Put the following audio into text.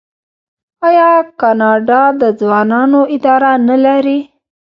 آیا کاناډا د ځوانانو اداره نلري؟